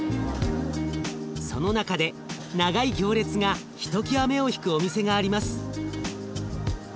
その中で長い行列がひときわ目を引くお店があります。